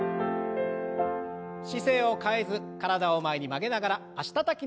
姿勢を変えず体を前に曲げながら脚たたきの運動を。